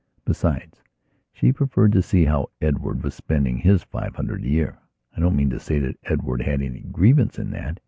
Besides, she preferred to see how Edward was spending his five hundred a year. I don't mean to say that Edward had any grievance in that.